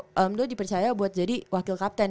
alhamdulillah dipercaya buat jadi wakil kapten